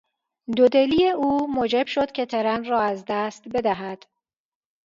دودلی او موجب شد که ترن را از دست بدهد.